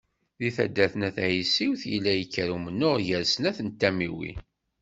Di taddart n Ayt Tɛisiwt yella yekker umennuɣ gar snat n tamiwin.